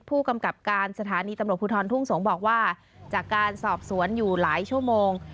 ผู้กำกับการสถานีตำรวจภูทรทุ่งสงศ์บอกว่าจากการสอบสวนอยู่หลายชั่วโมง